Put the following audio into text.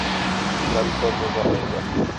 کل بہت مزہ آئے گا